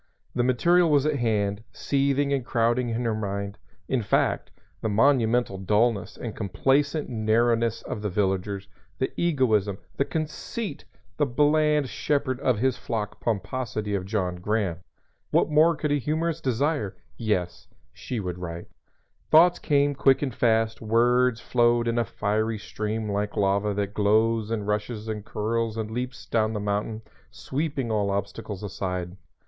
The material was at hand, seething and crowding in her mind, in fact the monumental dullness and complacent narrowness of the villagers, the egoism, the conceit, the bland shepherd of his flock pomposity of John Graham. What more could a humorist desire? Yes; she would write. Thoughts came quick and fast; words flowed in a fiery stream like lava that glows and rushes and curls and leaps down the mountain, sweeping all obstacles aside.